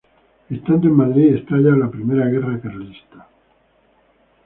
Estando en Madrid estalla la Primera Guerra Carlista.